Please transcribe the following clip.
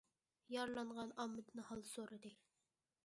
يارىلانغان ئاممىدىن ھال سورىدى.